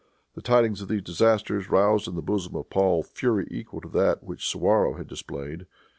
The tidings of these disasters roused, in the bosom of Paul, fury equal to that which Suwarrow had displayed.